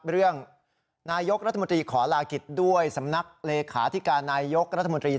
เรื่องนายกรัฐมนตรีขอลากิจด้วยสำนักเลขาธิการนายยกรัฐมนตรี